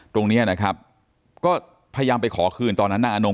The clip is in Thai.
ตรงนี้นะครับก็พยายามไปขอคืนตอนนั้นนางอนง